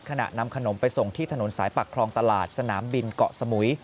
นำขนมไปส่งที่ถนนสายปากคลองตลาดสนามบินเกาะสมุย